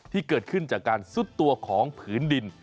ที่เกิดขึ้นจากการซุดตัวของผืนดิน